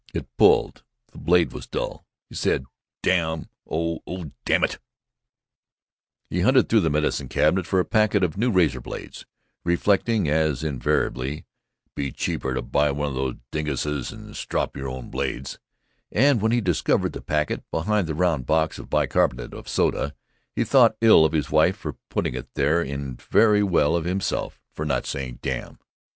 It pulled. The blade was dull. He said, "Damn oh oh damn it!" He hunted through the medicine cabinet for a packet of new razor blades (reflecting, as invariably, "Be cheaper to buy one of these dinguses and strop your own blades,") and when he discovered the packet, behind the round box of bicarbonate of soda, he thought ill of his wife for putting it there and very well of himself for not saying "Damn."